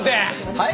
はい？